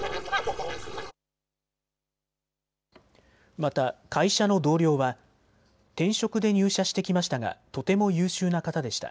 また会社の同僚は転職で入社してきましたがとても優秀な方でした。